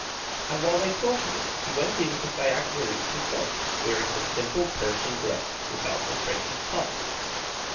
And while they saw to this he went in to Cyaxares himself, wearing his simple Persian dress without a trace of pomp.